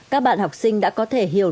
các bạn học sinh đã có thể hiểu